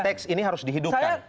teks ini harus dihidupkan